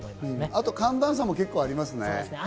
あと寒暖差もありますね。